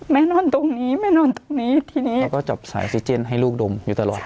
นอนตรงนี้แม่นอนตรงนี้ทีนี้แม่ก็จับสายซิเจนให้ลูกดมอยู่ตลอด